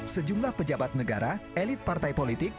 sejumlah pejabat negara elit partai politik